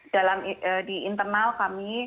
dalam di internal kami